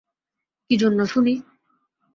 কী জন্য শুনি?